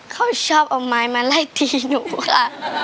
เขาชอบเอาไม้มาไล่ตีหนูค่ะ